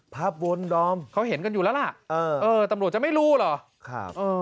ภาพวนดอมเขาเห็นกันอยู่แล้วล่ะตำรวจจะไม่รู้หรอกค่ะอืม